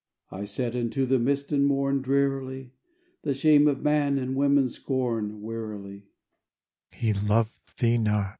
I said unto the mist and morn, Drearily: "The shame of man and woman's scorn, Wearily."